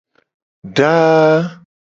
Daa.